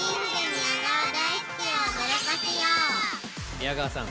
宮川さん！